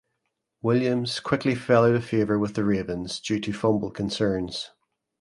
Williams quickly fell out of favour with the Ravens due to fumble concerns.